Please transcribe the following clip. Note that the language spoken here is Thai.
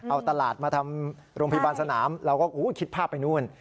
เอาตลาดมาทำโรงพยาบาลสนามเราก็คิดภาพไปนู่น